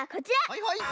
はいはい。